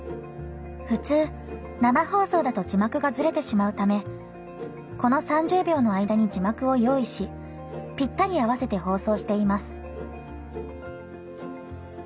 普通、生放送だと字幕が、ずれてしまうためこの３０秒の間に字幕を用意しぴったり合わせて放送しています。